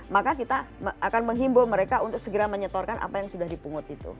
maka kita akan menghimbau mereka untuk segera menyetorkan apa yang sudah dipungut itu